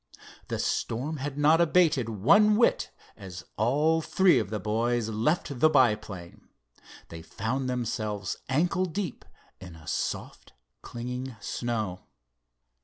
The storm had not abated one whit as all three of the boys left the biplane. They found themselves ankle deep in a soft clinging snow.